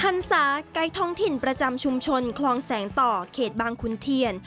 พันศาไกด์ท้องถิ่นประจำชุมชนคลองแสงต่อเขตบางขุนเทียน